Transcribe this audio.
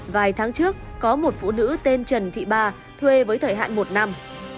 vài tháng trước có một phụ nữ tên trần thị ba thuê với thời hạn một năm